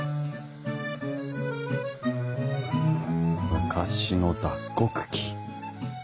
昔の脱穀機。